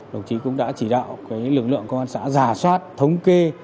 đồng chí cũng đã chỉ đạo lực lượng công an xã giả soát thống kê